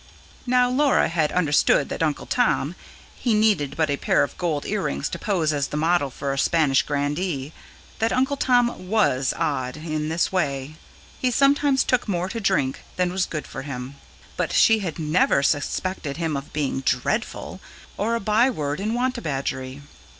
Now Laura had understood that Uncle Tom he needed but a pair of gold earrings to pose as the model for a Spanish Grandee that Uncle Tom WAS odd, in this way: he sometimes took more to drink than was good for him; but she had never suspected him of being "dreadful", or a byword in Wantabadgery.